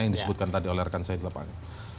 yang disebutkan tadi oleh rekan said lepang